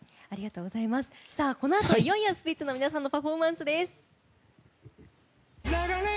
このあと、いよいよスピッツの皆さんのパフォーマンスです。